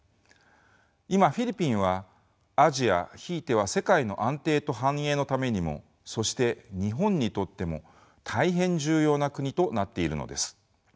今フィリピンはアジアひいては世界の安定と繁栄のためにもそして日本にとっても大変重要な国となっているのです。